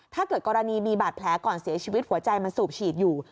ถ้าเกิดกรณีมีบาดแผลก่อนเสียชีวิตหัวใจมันสูบฉีดอยู่